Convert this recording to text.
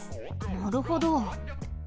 なるほど。